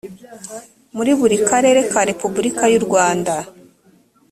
muri buri karere ka repubulika y’u rwanda